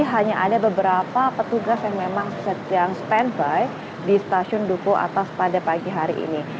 hanya ada beberapa petugas yang memang sedang standby di stasiun duku atas pada pagi hari ini